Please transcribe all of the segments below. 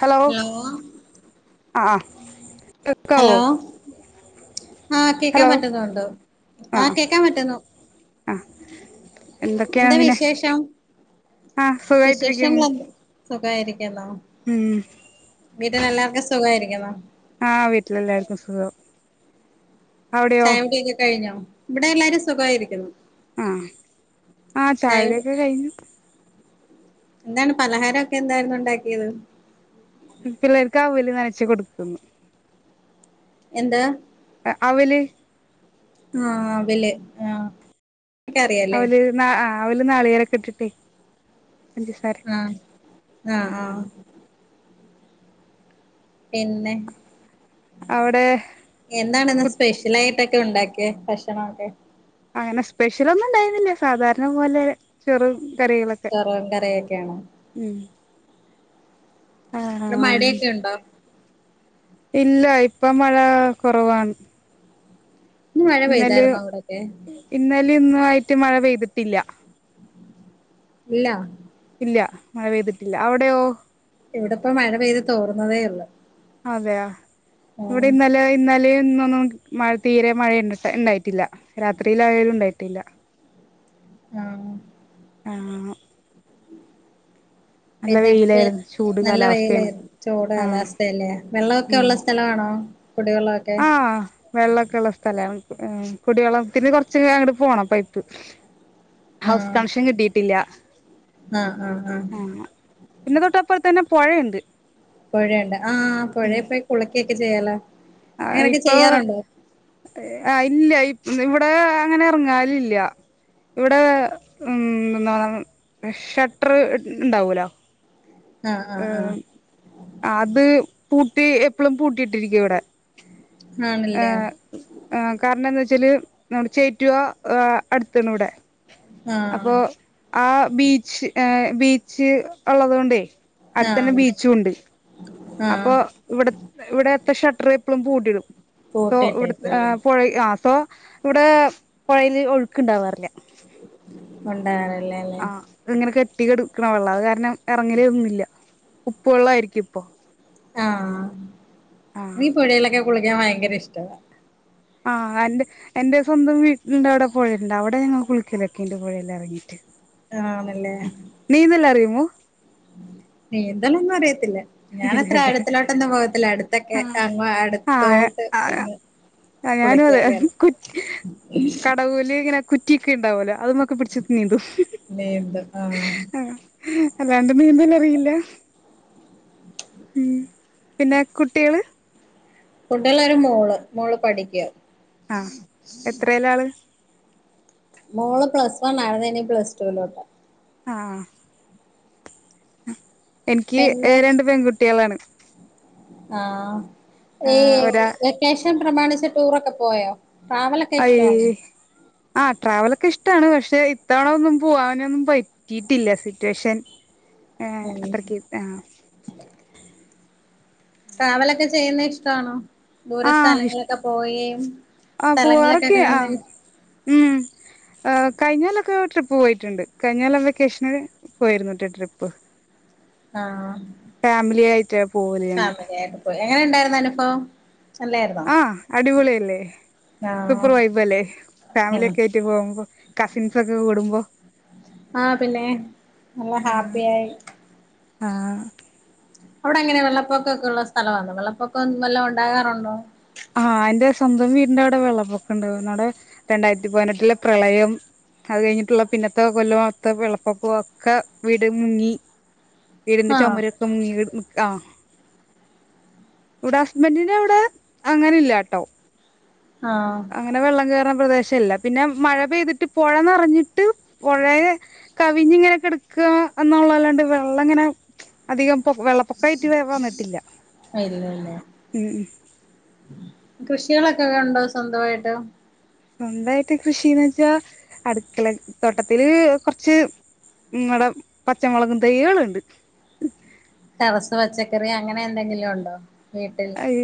Hello ആഹ് കേക്കാവോ hello ആഹ് കേക്കാൻ ഹലോ പറ്റുന്നുണ്ട് ആഹ് കേക്കാൻ പറ്റുന്നു അഹ് എന്തൊക്കെയാ എന്താ പിന്നെ വിശേഷം ആഹ് വിശേഷങ്ങൾ സുഖായ്ട്ടിരിക്കുന്നു എന്ത് സുഖായിരിക്കുന്നോ? ഉം വീട്ടിലെല്ലാർക്കും സുഖായിരിക്കുന്നോ? ആഹ് വീട്ടില് എല്ലാര്ക്കും സുഖം അവിടെയോ ചായ കുടിയൊക്കെ കഴിഞ്ഞോ ഇവിടെ എല്ലാരും സുഖായിരിക്കുന്നു ആഹ് ആഹ് ചായ ചായകുടി കുടിയൊക്കെ കഴിഞ്ഞു എന്താണ് പലഹാരൊക്കെ എന്തായിരുന്നു ഉണ്ടാക്കിയത് പിള്ളേർക്ക് അവല് നനച്ച് കൊടുക്കുന്നു എന്താ ആഹ് അവല് ആഹ് അവല് ആഹ് ഒക്കെ അറിയാല്ലേ അവല് ന ആഹ് അവല് നാളികേരവൊക്കെയിട്ടിട്ട് ആഹ് പഞ്ചസാരയൊക്കെയിട്ട് ആഹ് പിന്നെ അവടെ എന്താണിന്ന് സ്പെഷ്യലായിട്ടൊക്കെ ഉണ്ടാക്കിയെ ഭക്ഷണവൊക്കെ അങ്ങനെ സ്പെഷ്യലൊന്നും ഇണ്ടായിരുന്നില്ല സാധാരണ പോലെ ചോറും കറികളൊക്കെ ചോറും കറിയൊക്കെയാണോ ഉം അവടെ ആ മഴയൊക്കെ ഉണ്ടോ? ഇല്ല ഇപ്പം മഴ കൊറവാണ് ഇന്ന് മഴ ഇന്നലെം പെയ്തായിരുന്നോ അവിടൊക്കെ ഇന്നലിം ഇന്നും ആയിട്ട് മഴ പെയ്തിട്ടില്ല ഇല്ല ഇല്ല മഴ പെയ്തിട്ടില്ല അവടെയോ? ഇവിടിപ്പം മഴ പെയ്ത് തോർന്നതേ ഉള്ളൂ അതെയോ ഇവിടെ ഇന്നലെ ഇന്നലെയും ഇന്നൊന്നും മഴ തീരെ മഴണ്ടട്ട ഇണ്ടായിട്ടില്ല രാത്രിയിലായാലും ഇണ്ടായിട്ടില്ല ആഹ് ആഹ് നല്ല പിന്നക്കെ വെയിലായിരുന്നു ചൂട് നല്ല കാലാവസ്ഥയാണ് വെയിലായി ചൂട് ആ കാലാവസ്ഥയല്ലേ. വെള്ളവൊക്കെ ഉം ഉള്ള സ്ഥലവാണോ? കുടിവെള്ളവൊക്കെ വെള്ളോക്കെള്ള സ്ഥലാണ് ആം കുടിവെള്ളത്തിന് കൊർച്ച് അങ്ങട്ട് പോണം പൈപ്പ് ഹൗസ് ആഹ് കണക്ഷൻ കിട്ടിട്ടില്ല ആഹ് ആഹ് ആഹ് പിന്നെ തൊട്ടപ്പർതന്നെ പൊഴയിണ്ട് പൊഴയുണ്ട് ആഹ് പൊഴേപ്പോയി കുളിക്കെക്കെ ചെയ്യാലെ ആഹ് ഇപ്പോആഹ് ഇല്ല ഇവടെ അങ്ങനെ ഇറങ്ങാലില്ല്യ ഇവിടെ ഉം എന്താ [unintelligible] ഷട്ടർ ഇണ്ടാവോല്ലോ ആഹ് ആഹ് ആഹ് എമ് അത് പൂട്ടി എപ്പളും പൂട്ടിട്ടിരിക്കുവിടെ ആണല്ലേ ഏഹ് ആഹ് കാരണംന്താച്ചാല് നമ്മുടെ ചേറ്റുവ അടുത്താണ് വ്ടെ ആഹ് അപ്പൊ ആഹ് ബീച്ച് ഏഹ്. ബീച്ച് ഉള്ളതൊണ്ടേ അടുത്തന്നെ ആഹ് ബീച്ചുണ്ട് അപ്പൊ ആഹ് ഇവിടെ ഇവിടെത്തെ ഷട്ടർ എപ്പളും പൂട്ടിടും സോ കോട്ട ഇവിടെ ആ ടൈപ്പല്ലേ പുഴ ആഹ് സോ ഇവ്ടെ പൊഴെൽ ഒഴുക്ക്ണ്ടാവാറില്ല ഉണ്ടാവാറില്ലല്ലേ ഇങ്ങനെ കെട്ടി കെടുക്ക്ണ വെള്ള അത് കാരണം ഇറങ്ങല്ന്നില്ല ഉപ്പു വെള്ളായിരിക്കുപ്പൊ ആഹ് ആ നീ പുഴെലൊക്കെ കുളിക്കാൻ ഭയങ്കര ഇഷ്ടവാ ആഹ് എന്റെ എന്റെ സ്വന്തം വീട്ടിണ്ടവടെ പൊഴെണ്ട് അവിടെ ഞങ്ങൾ കുളിക്കലൊക്കെണ്ട് പൊഴെലെറങ്ങീട്ട് ആണല്ലേ നീന്തലറിയുമോ? നീന്തലൊന്നും അറിയത്തില്ല ഞാനത്ര ഇല്ലല്ലേ ആഴത്തിലോട്ടൊന്നും പോകത്തില്ല അടുത്തൊക്കെ അങ്ങ ആ ആ അടുത്തോട്ട്ന്ന് ആ ഞാനും അതെ ഹ് ഹ് കടവൂല് ഇങ്ങനെ കുറ്റിക്ക്‌ണ്ടാവലോ അത് മ ക്കെ പിടിച്ചിട്ട് നീന്തും നീന്തും ആഹ് ഹ് ഹ് അല്ലാണ്ട നീന്തലറിയില്ല ഉം പിന്നെ കുട്ടികള് കുട്ടികള് ഒരു മോള് മോള് പഠിക്ക്യ ആഹ് എത്രേല ആള് മോള് പ്ലസ് വൺ ആയിരുന്നു ഇനി പ്ലസ് ടുൂവിലോട്ട് ആഹ് ആഹ് എനിക്ക്ഏ പിന്നെ രണ്ട് പെൺകുട്ടികളാണ് ആഹ് ആ ഈ ഒരാ വെക്കേഷൻ പ്രമാണിച്ച് ടൂറൊക്കെ പോയോ ട്രാവലൊക്കെ അയ് ഇഷ്ടവാണോ ആ ട്രാവലൊക്കെ ഇഷ്ടാണ് പക്ഷെ ഇത്തവണ ഒന്നും പോവാനൊന്നും പറ്റ് റ്റീട്ടില്ല സിറ്റുവേഷൻ ഏ ഉം അത്രക്ക് ആ ട്രാവലൊക്കെ ചെയ്യുന്നത് ഇഷ്ടവാണോ ദൂര ആ ഇഷ്ട സ്ഥലങ്ങളൊക്കെ പോവുകയും ആ സ്ഥലങ്ങളൊക്കെ പോവാറൊക്കെ കാണുന്നതി ആ കഴിഞ്ഞല്ലൊക്കെ ട്രിപ്പ് പോയിട്ടുണ്ട്. കഴിഞ്ഞൊല്ലം വെക്കേഷനല് പോയിരുന്നട്ടൊ ട്രിപ്പ്. ആഹ് ഫാമിലി ആയിറ്റാ പോവല് ഞങ്ങ ഒ എങ്ങനെണ്ടായിരുന്നനുഭവം ആഹ് അടിപൊളിയല്ലേ ആഹ് സൂപ്പർ വൈബ് അല്ലേ ഉം ഫാമിലിയൊറ്റ് ക്കെ റ്റ് പോകുമ്പോ കസിൻസൊക്കെ കൂടുമ്പോ ആഹ് പിന്നെ... നല്ല ഹാപ്പി ആയി ആഹ് അവിടെങ്ങനെ വെള്ളപ്പൊക്ക ക്കെള്ള സ്ഥലവാണോ വെള്ളപ്പൊക്കം നല്ലോ ഉണ്ടാകാറുണ്ടോ ആഹ് എന്റെ സ്വന്തം വീടിന്റെവിടെ വെള്ളപ്പൊക്കുണ്ടവും. അവടെ രണ്ടായിരത്തി പതിനെട്ടിലെ പ്രളയം അത് കഴിഞ്ഞിട്ടുള്ള പിന്നത്തെ കൊല്ലംത്തെ വെള്ളപ്പൊക്ക ഒക്കെ വീട് മുങ്ങി വീടിന്റെ ആഹ് ചുമരൊക്കെമുങ്ങി നി ആ ഇവിടെ ഹസ്ബൻറിന്റ വിടെ അങ്ങനെല്ലാ ട്ടോ ആഹ് അങ്ങനെ വെള്ളം കയറുന്ന പ്രദേശല്ല പിന്നെ മഴ പെയ്തിട്ട് പുഴ നിറഞ്ഞിട്ട് പുഴയ കവിഞ്ഞ ഇങ്ങനെൊക്കെ എടുക്കുക എന്നുള്ളതല്ലാണ്ട് വെള്ളം ഇങ്ങനെ അധികം വെള്ളപ്പൊക്കായിട്ട് വേറെ വന്നിട്ടില്ല ഉം കൃഷികളൊക്കെക്കെ ഉണ്ടോ സ്വന്തമായിട്ട്? സ്വന്തമായിട്ട് കൃഷിന്ന് വെച്ചാ അടുക്കള തോട്ടത്തില് കൊറച്ച് നിങ്ങളടെ പച്ചമുളകും തയ്യാണ് ത്? ടെറസ് പച്ചക്കറി അങ്ങനെ എന്തെങ്കിലും ഉണ്ടോ? വീട്ടിൽ അയ്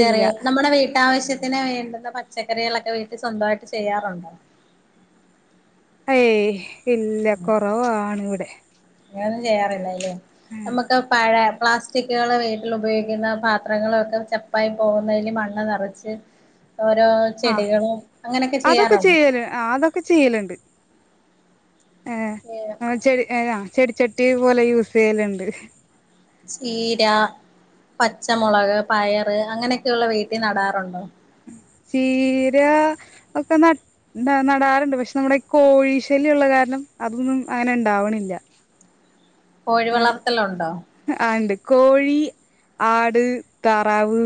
ഇല്ല നമ്മുടെ വീട്ടാവശ്യത്തി ത്തിന് വേണ്ടുന്ന പച്ചക്കറികളൊക്കെ വീട്ടിൽ സ്വന്തമായിട്ട് ചെയ്യാറുണ്ടോ? ഏയ് ഇല്ല കുറവാണ് ഇവിടെ അങ്ങനൊന്നും ചെയ്യാറില്ലല്ലേ നമ്മുക്ക് പഴ പ്ലാസ് ചിക്കുകൾ വീട്ടിൽ ഉപയോഗിക്കുന്ന പാത്രങ്ങളൊക്കെ ചപ്പായി പോകുന്നതിൽ മണ്ണ് നിറച്ച് ഓരോ ആ ചെടികളും അങ്ങനെയൊക്കെ ചെയ്യാറുള്ളൂ [unintelligible] അതൊക്കെ ഒക്കെ ചെയ്യലുണ്ട്. ഏ് ചെ ചെടിച്ചട്ടി പോലെ യൂസ് ചെയ്യലുണ്ട് ചീര പച്ചമുളക് പയറ് അങ്ങനെയൊക്കെയ ഉള്ള വീട്ടിൽ നടാറുണ്ടോ? ചീര ഒക്കെ നട്ട് എന്താ നടാറുണ്ട്. പക്ഷെ നമ്മുടെ ഈ കോഴി ശല്യ ഉുള്ള കാരണം അതൊന്നും അങ്ങനെ ഉണ്ടാവണില്ല. കോഴിവളർത്തലുണ്ടോ? ആണ്ട് കോഴി ആട് തറാവ്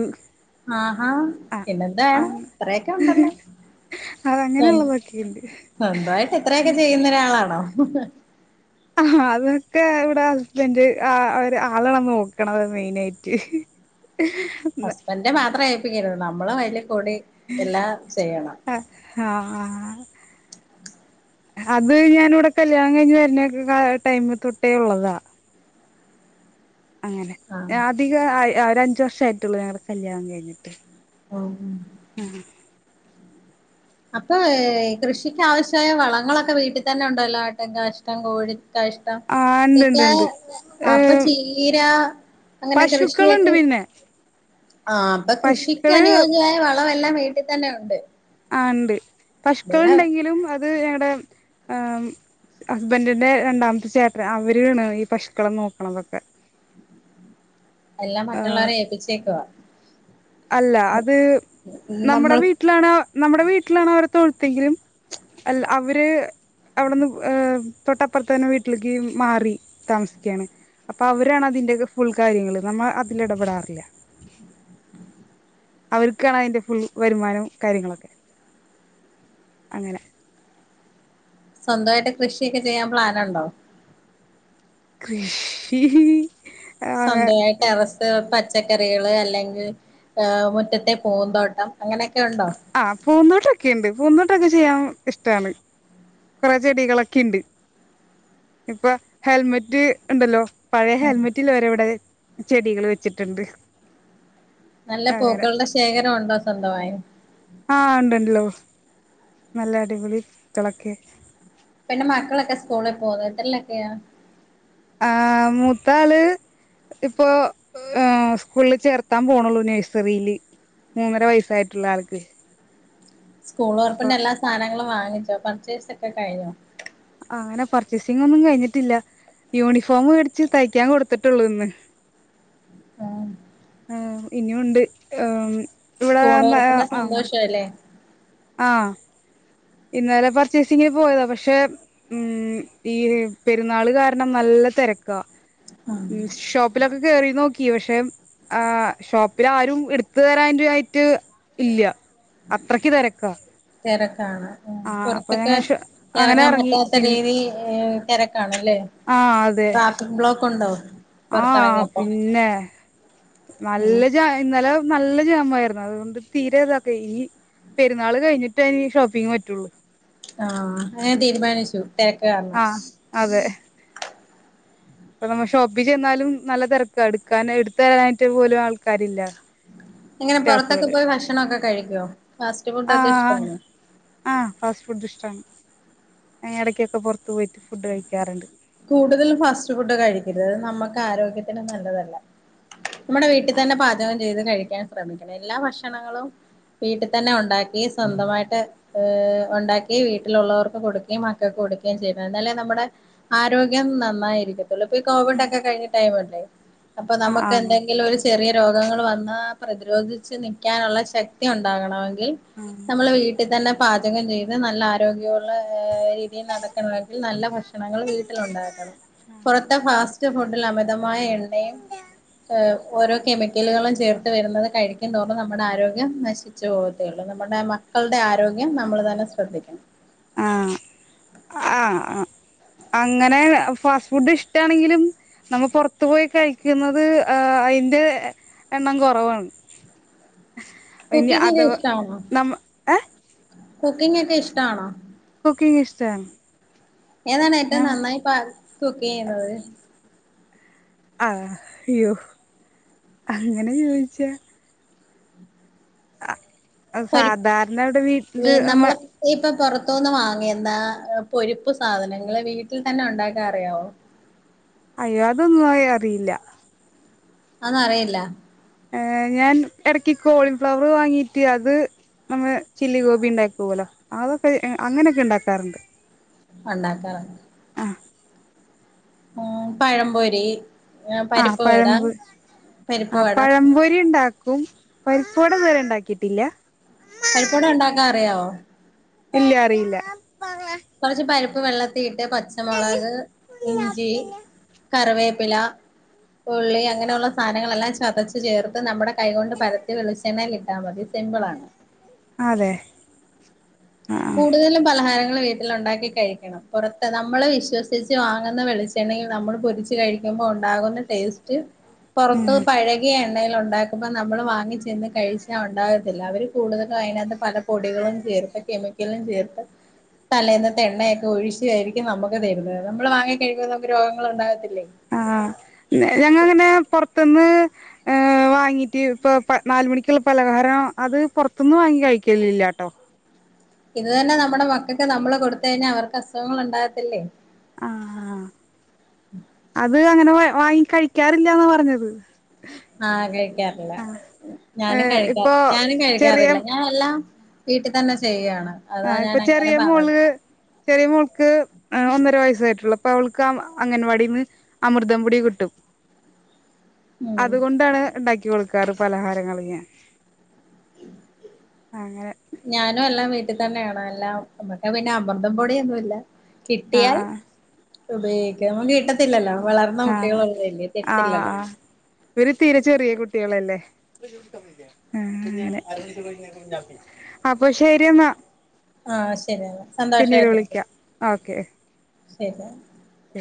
ആഹാ പിന്നെന്തായാണ് ഇത്രയൊക്കെ ഉണ്ടല്ലോ? അതങ്ങനെയുള്ളതൊക്കെയുണ്ട് സ്വന്തമായിട്ട് എത്രയൊക്കെ ചെയ്യുന്ന ഒരാളാണോ? ആ അതൊക്കെ ഇവിടെ ഹസ്ബൻഡ് ആ അവര് ആളണം നോക്കണത് മെയിന ആയിട്ട് ഉ ഹസ്ബൻഡ മാത്രേ അഏപ്പിക്കൂ നമ്മള് വല കൂടി എല്ലാം ചെയ്യണം ആഹ അത് ഞാാന ഇവിടെ കല്യാണം കഴിഞ്ഞ് വരുന്ന ടൈമ തൊട്ടേ ഉള്ളതാ അങ്ങനെ ആഹ് അധിക ഒ അഞ്ച വർഷ ആയിട്ടുള്ളൂ ഞങ്ങളടെ കല്യാണം കഴിഞ്ഞിട്ട് ഓ ഉം അപ്പൊ കൃഷിക്ക് ആാവശ്യമായ വളങ്ങളൊക്കെ വീട്ടിൽ തന്നെ ഉണ്ടല്ലോ ആട്ടെ കാഷ്ടം കോഴി ഇഷ്ടം ആഹ് ഇണ്ട് ഇണ്ട് ഇതൊക്കെ ഇണ്ട് അപ്പൊ ഏഹ് ചീര അങ്ങനെ പശുക്കളുണ്ട് കൃഷിയായിട്ട് പിന്നെ ആ അപ്പൊ കൃഷിക്ക് പശുക്കള് അനുയോജ്യമായ വളംല്ലാം വീട്ടിൽ തന്നെ ഉണ്ട്. ആണ്ട് പഷുക്കള ഇതെല്ലാം ഉണ്ടെങ്കിലും അത് ഞങ്ങളടെ ആ ഹസ്ബൻഡിന്റെ രണ്ടാമത്തെ ചേട്ടൻ അവരണ് ഈ പശുക്കളെ നോക്കണതൊക്കെ എല്ലാം ആഹ് മറ്റുള്ളവരെ ഏപ്പിച്ചേക്കവാ അല്ല അത് നമ്മുടെ വീട്ട വീട്ടിലണോ നമ്മുടെ വീട്ടിലാണോ അവരെ തൊഴുത്തെങ്കിലും അല്ല അവര് അവിടെന്ന് തൊട്ടപ്പുറത്ത തന്നെ വീട്ടിലേക്ക് മാറി താമസിക്കുകയാണ്. അപ്പൊ അവരാണ് അതിന്റെക്കെ ഫുൾ കാര്യങ്ങൾ നമ്മൾ അതില് ഇടപെടാറില്ല. അവർക്കാണ് അതിൻ്റെ ഫുൾ വരുമാനവും കാര്യങ്ങളൊക്കെ അങ്ങനെ സ്വന്തമായിട്ട് കൃഷിയൊക്കെ ചെയ്യാൻ പ്ലാനുണ്ടോ? കൃഷി ആഹ് സ്വന്തമായിട്ട് ഇറസ് പച്ചക്കറികൾ അല്ലെങ്കിൽ മുറ്റത്തെ പൂന്തോട്ടം അങ്ങനെയൊക്കെ ഉണ്ടോ? ആ് പൂന്തോട്ടൊക്കെുണ്ട് പൂന്തോട്ടൊക്കെ ചെയ്യാൻ ഇഷ്ടമാണ്. കുറെ ചെടികളൊക്കെ ഉണ്ട് ഇപ്പൊ ഹെൽമെറ്റ് ഉണ്ടല്ലോ പഴയ ഉം ഹെൽമെറ്റിൽ ഒരവിടെ ചെടികൾ വെച്ചിട്ടുണ്ട് നല്ല അങ്ങനെ പൂക്കളുടെ ശേഖരംണ്ടോ സ്വന്തമായിന് ആഹ് ഉണ്ടണ്ട്ല്ലോ നല്ല അടിപൊളി ക്കളൊക്കെ പിന്നെ മക്കളൊക്കെ സ്കൂളിൽ പോന്നോ എത്രല്ലൊക്കെയാ ആഹ് മൂത്താള് ഇപ്പൊ ഏഹ് സ്കൂൾള് ചേർത്താൻ പോണൊള്ളൂ നേഴ്സറില് മൂന്നര വയസ്സായിട്ടൊള്ളു ആൾക്ക് സ്കൂള് അപ്പൊ ഒറപ്പിന്റെ എല്ലാ സാനങ്ങളും വാങ്ങിച്ചോ പർച്ചേസ് ഒക്കെ കഴിഞ്ഞോ ആ അങ്ങനെ പർച്ചേസിംഗൊന്നും കഴിഞ്ഞിട്ടില്ല യൂണിഫോമ് മേടിച്ച് തയ്ക്കാൻ കൊടുത്തിട്ടുള്ളൂ ഇന്ന് ഏമ് ഏഹ് ഇനിയുണ്ട് ഉം ഇവ്ടെ ന്നേ ആഹ് പ്പെലേ ആഹ് ഇന്നലെ പർച്ചേസിംഗിന് പോയതാ പക്ഷെ ഉം ഈ പെരുന്നാള് കാരണം നല്ല തെരക്ക ഈ ഷോപ്പ് പ്പിലൊക്കെ കേറി നോക്കി പക്ഷെ ആഹ് ഷോപ്പില് ആരും ഇട്ത്ത്തരാൻ ആയിട്ട് ഇല്ല അത്രക്ക് തെരക്കാ തെരക്കാണ് ഉം ഞങ്ങ പുറത്തൊക്കെ അങ്ങനെ എറങ്ങാൻ ഇറങ്ങി പറ്റാത്ത പിൻ രീതില് തെരക്കാണല്ലേ ആഹ് അതെ ട്രാഫിക് ബ്ലോക്ക് ഉണ്ടോ ആഹ് ആഹ് പുറത്തിറങ്ങിയപ്പോ പിന്നെ, ഉം നല്ല ജാ ഇന്നലെ നല്ല ജാമായിര്ന്നു അതുകൊണ്ട് തീരെ ഇതാക്കേയ് ഈ പെരുന്നാള് കഴിഞ്ഞിട്ടേ ഇനി ഷോപ്പിംഗ് പറ്റുള്ളൂ ആഹ് അങ്ങനേ തീരുമാനിച്ചു തെരക്ക് കാരണം ആ അതെ [inaudible] ഇപ്പ നമ്മ ഷോപ്പീ ചെന്നാലും നല്ല തെരക്കാ എടുക്കാന് എട്ത്ത് തരാനായിട്ട് പോലും ആൾക്കാരില്ല എങ്ങനെ പൊറത്തൊക്കെ സ്റ്റാഫുകള് പോയി ഭക്ഷണവൊക്കെ കഴിക്കുവോ ഫാസ്റ്റ് ഫുഡൊക്കെ ഇഷ്ടവാണോ ആഹ് ഫാസ്റ്റ് ഫുഡിഷ്ടാണ് ഏഹ് എടയ്ക്കൊക്ക പൊറത്ത് പോയിട്ട് ഫുഡ് കഴിക്കാറ്ണ്ട് കൂടുതൽ ഫാസ്റ്റ് ഫുഡ് കഴിക്കരുത് നമ്മക്കാരോഗ്യത്തിന് നല്ലതല്ല നമ്മടെ വീട്ടിത്തന്നെ ആഹ് പാചകം ചെയ്ത് കഴിക്കാൻ ശ്രമിക്കണം എല്ലാ ഭക്ഷണങ്ങളും വീട്ടിത്തന്നെ ഒണ്ടാക്കി സ്വന്തമായിട്ട് ഈഹ് ഒണ്ടാക്കി വീട്ടിലൊള്ളവർക്ക് കൊടുക്ക്യേം മക്കക്ക് കൊടുക്ക്യേം ചെയ്യണം എന്നാലേ നമ്മടെ ആരോഗ്യം നന്നായിരിക്കത്തൊള്ളൂ ഇപ്പീ കോവിഡക്കെ കഴിഞ്ഞ ടൈമല്ലേ അപ്പ ആഹ് നമക്കെന്തെങ്കിലു ഒരു ച് ചെറിയ രോഗങ്ങള് വന്നാ പ്രതിരോധിച്ച് നിക്ക്യാനൊള്ള ശക്തി ഒണ്ടാകണമെങ്കിൽ ആഹ് നമ്മള് വീട്ടിത്തന്നെ പാചകം ചെയ്ത് നല്ല ആരോഗ്യവുള്ള ഈഹ് രീതിയിൽ നടക്കണവായിര് ൽ നല്ല ഭക്ഷണങ്ങള് വീട്ടിലൊണ്ടാക്കണം പൊറത്തെ ഫാസ്റ്റ് ഫുഡിലമിതമായ എണ്ണയും ഇഹ് ഓരോ കെമിക്കലുകളും ചേർത്ത് വരുന്നത് കഴി ക്കുംതോറും നമ്മടെ ആരോഗ്യം നശിച്ചു പോവത്തേയൊള്ളൂ നമ്മടെ മക്കൾടെ ആരോഗ്യം നമ്മള് തന്നെ ശ്രദ്ധിക്കണം ആഹ് ആഹ് അഹ് അങ്ങനേണ ഫാസ്റ്റ് ഫുഡ് ഇഷ്ടാണെങ്കിലും നമ്മ പൊറത്ത് പോയി കഴിക്കുന്നത് ആഹ് അയിന്റെ എ എണ്ണം കൊറവാണ് ഇനി കുക്കിങ്ങെക്കെ അഥവാ ഇഷ്ട ആന്നോ നമ്മ ഏഹ് കുക്കിങ്ങെക്കെ ഇഷ്ടാണോ കുക്കിംഗ് ഇഷ്ടാണ് ഏതാണേറ്റവും ഞാൻ നന്നായി പാ കുക്കെയ്യുന്നത് അതെ ഇയ്യോ അങ്ങനെ ചോയിച്ച അ സാധാരണ ഇവ്ടെ വീട്ടില് നമ്മ ഇപ്പ പൊറത്തൂന്ന് വാങ്ങിയെന്താ പൊരിപ്പ് സാധനങ്ങള് വീട്ടിൽ തന്നെ ഒണ്ടാക്കാൻ അറിയാവോ അയ്യോ അതൊന്നും അ യേ അറിയില്ല അഒന്നറിയില്ല ഏഹ് ഞാൻ എടയ്ക്ക് കോളിഫ്ലവറ് വാങ്ങീട്ട് അത് നമ്മ ചില്ലി ഗോപി ഇണ്ടാക്കൂവലോ അതൊക്കെ ഏഹ് അങ്ങനെയൊക്കെ ഇണ്ടാക്കാറുണ്ട് ഒണ്ടാക്കാറൊണ് ആഹ് ഉം പഴംപൊരി ആഹ് പരിപ്പ് വട പഴംപൊ പരിപ്പ് ആഹ് വട പഴപൊരിയിണ്ടാക്കും പരിപ്പുവട ഇതുവരെ ഇണ്ടാക്കീട്ടില്ല്യ പരിപ്പുവട ഉണ്ടാക്കാൻ അറിയാവോ ഇല്ല്യ അറിയില്ല്യ കൊറച്ച് പരിപ്പ് വെള്ളത്തിയിട്ട് പച്ചമൊളക് ഇഞ്ചി കറിവേപ്പില ഉള്ളി അങ്ങനെയൊള്ള സാനങ്ങളെല്ലാം ചതച്ച് ചേർത്ത് നമ്മടെ കൈ കൊണ്ട് പരത്തി വെളിച്ചെണ്ണയിലിട്ടാ മതി സിമ്പിളാണ് അതെ ആഹ് കൂടുതലും പലഹാരങ്ങള് വീ ട്ടിലൊണ്ടാക്കി കഴിക്കണം പൊറത്ത് നമ്മള് വിശ്വസിച്ച് വാങ്ങുന്ന വെളിച്ചെണ്ണയിൽ നമ്മള് പൊരിച്ച് കഴിക്കുമ്പോ ഒണ്ടാകുന്ന ടേസ്റ്റ് പൊറത്ത് ഉം പഴകി കിയ എണ്ണയിലൊണ്ടാക്കുമ്പ നമ്മള് വാങ്ങി ചെന്ന് കഴിച്ചാ ഒണ്ടാകത്തില്ല അവര് കൂടുതലു അയിനാത്ത് പല പ് പൊടികളും ചേർത്ത് കെമിക്കലും ചേർത്ത് തലേന്നത്തെ എണ്ണയൊക്കെ ഒഴിച്ചുവായിരിക്കും നമ്മക്ക് തെരുന്നത് നമ്മള് വാങ്ങിക്കഴിക്കുമ്പോ നമുക്ക് രോഗങ്ങളൊണ്ടാകത്തില്ലേ ആഹ് നേ ഞങ്ങങ്ങനേ പൊറത്ത്ന്ന് അ് വാങ്ങീട്ട് ഇപ്പൊ പ നാല് മണിക്കിള്ള പലഹാരം അത് പൊറത്ത്ന്ന് വാങ്ങി കഴിക്കലില്ല്യാട്ടോ ഇത് തന്ന നമ്മട മക്കക്ക് നമ്മള് കൊടുത്ത് കഴിഞ്ഞാ അവർക്ക് അസുഖങ്ങളൊണ്ടാകത്തില്ലേ അ ആ അത് അങ്ങനെ വാങ്ങി കഴിക്കാറില്ല്യാന്ന പറഞ്ഞത് ആ കഴിക്കാറില്ല ആഹ് ഞാനും ഏഹ് കഴിക്ക ഇപ്പൊ ഞാനും ചെറിയ കഴിക്കാറില്ല ഞ എല്ലാം വീട്ടിൽ തന്നെ ചെയ്യാണ് ആ അതാ ഞാൻ ഇപ്പൊ അങ്ങനെ ചെറിയ പറഞ്ഞത് മോള് ചെറിയ മോൾക്ക് ഒന്നര വയസ്സായിട്ടൊള്ളു അപ്പൊ അവൾക്ക് അംഗനവാടീന്ന് അമൃതംപൊടി കിട്ടും ഉ [inaudible] അതുകൊണ്ടാണ് ഉണ്ടാക്കി കൊടുക്കാറ് പലഹാരങ്ങള് ഞാൻ അ അങ്ങനെ ഞാനും എല്ലാം വീട്ടിൽ തന്നെയാണ് എല്ലാം നമ്മുക്ക് പിന്നെ അമൃതം പൊടിയൊന്നും ഇല്ല കിട്ടിയാൽ ആഹ് ഉപയോഗി- നമുക്ക് കിട്ടത്തില്ലല്ലോ വളർന്ന ആഹ് കുട്ടികള ആഹ് ഉള്ളതല്ലേ തെരത്തില്ലല്ലോ ആഹ് ഇവര് തിരേ ചെറിയ കുട്ടികളല്ലേ അങ്ങനെ അപ്പൊ ശരി എന്നാ ആ ശരിയന്നെ പിന്നീട് സന്തോഷയിട്ടിരിക്ക വിളിക്കാം ശരിയന്നെ അ